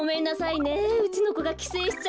うちのこがきせいしちゃって。